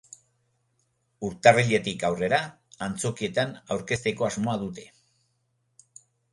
Urtarriletik aurrera antzokietan aurkezteko asmoa dute.